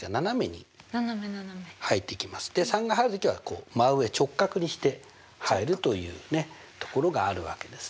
３が入る時はこう真上直角にして入るというところがあるわけですね。